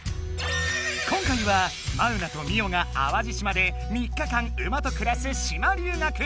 今回はマウナとミオが淡路島で３日間馬と暮らす島留学！